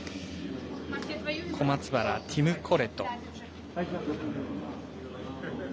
小松原、ティム・コレト。